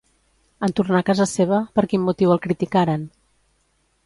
En tornar a casa seva, per quin motiu el criticaren?